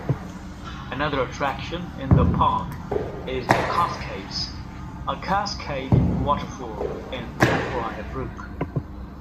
Another attraction in the park is The Cascades, a cascade waterfall in Lefroy Brook.